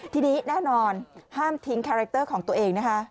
ทีนี้แน่นอนห้ามทิ้งคาแรคเตอร์ของตัวเองนะคะ